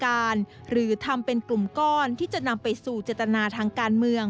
หรือทำเป็นกลุ่มก้อนที่จะนำไปสู่เจตนาทางการเมือง